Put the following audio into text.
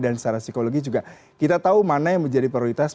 dan secara psikologi juga kita tahu mana yang menjadi prioritas